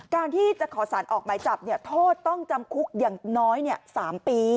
การที่จะขอสารออกหมายจับโทษต้องจำคุกอย่างน้อย๓ปี